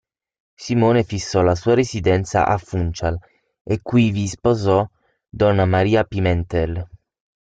Simone fissò la sua residenza a Funchal, e quivi sposò Donna Maria Pimentel.